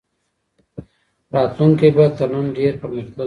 راتلونکی به تر نن ډېر پرمختللی وي.